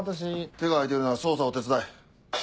手が空いてるなら捜査を手伝え。